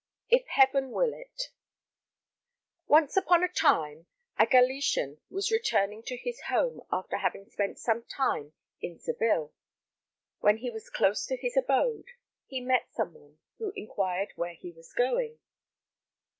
If Heaven Will It Once upon a time a Galician was returning to his home after having spent some time in Seville. When he was close to his abode, he met some one who inquired where he was going.